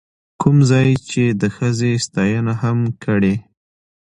کوم ځاى يې چې د ښځې ستاينه هم کړې،،